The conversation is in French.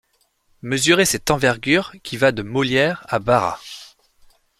Mesurez cette envergure qui va de Molière à Bara.